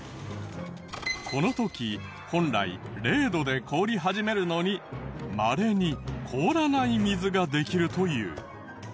この時本来０度で凍り始めるのにまれに凍らない水ができるという。